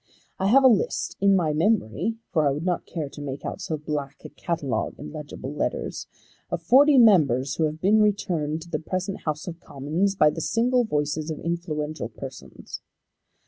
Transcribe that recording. I have a list, in my memory, for I would not care to make out so black a catalogue in legible letters, of forty members who have been returned to the present House of Commons by the single voices of influential persons.